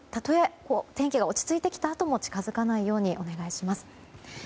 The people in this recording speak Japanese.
天気が落ち着いてきたあとも近づかないようにお願いします。